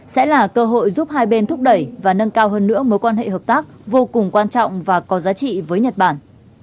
sẽ là cơ hội giúp hai bên thúc đẩy và nâng cao hơn nữa mối quan hệ hợp tác vô cùng quan trọng và có giá trị với nhật bản